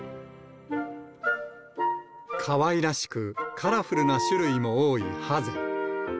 かわいらしく、カラフルな種類も多いハゼ。